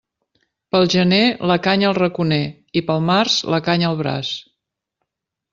Pel gener la canya al raconer i pel març la canya al braç.